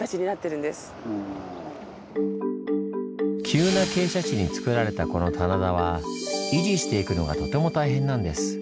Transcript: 急な傾斜地につくられたこの棚田は維持していくのがとても大変なんです。